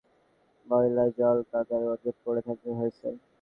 পুষ্টিকর খাবার পায়নি, তার ওপর ময়লা, জলকাদার মধ্যে পড়ে থাকতে হয়েছে।